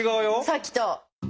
さっきと。